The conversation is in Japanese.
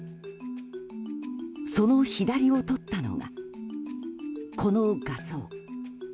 その左を撮ったのが、この画像。